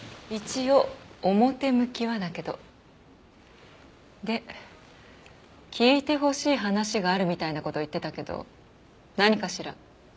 一応表向きはだけど。で聞いてほしい話があるみたいな事言ってたけど何かしら？